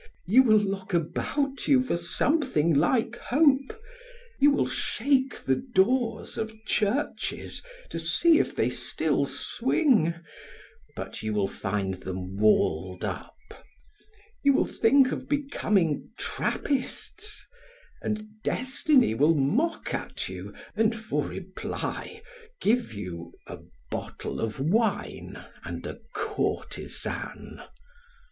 You will look about you for something like hope, you will shake the doors of churches to see if they still swing, but you will find them walled up; you will think of becoming Trappists, and destiny will mock at you and for reply give you a bottle of wine and a courtesan.